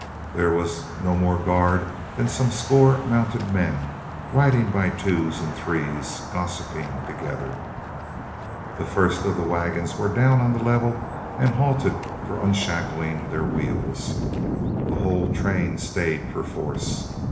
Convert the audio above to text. There was no more guard than some score mounted men, riding by twos and threes, gossiping together. The first of the wagons were down on the level and halted for unshackling their wheels. The whole train stayed perforce.